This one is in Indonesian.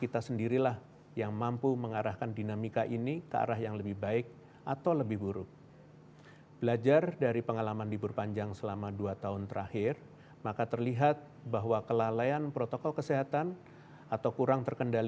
telah diatur dalam surat edaran